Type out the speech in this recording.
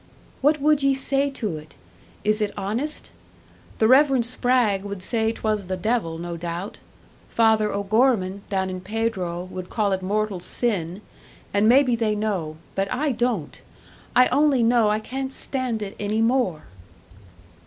"What would ye say to it? Is it honest? The Reverend Spragg would say 'twas the devil, no doubt; Father O'Gorman, down in Pedro, would call it mortal sin; and maybe they know but I don't! I only know I can't stand it any more!"